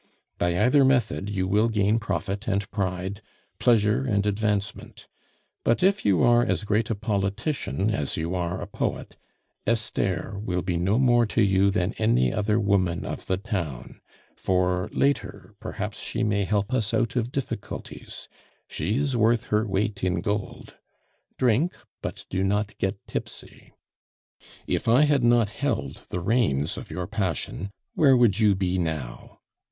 By either method you will gain profit and pride, pleasure and advancement; but if you are as great a politician as you are a poet, Esther will be no more to you than any other woman of the town; for, later, perhaps she may help us out of difficulties; she is worth her weight in gold. Drink, but do not get tipsy. "If I had not held the reins of your passion, where would you be now?